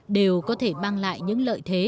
đều có thể mang lại những lợi thế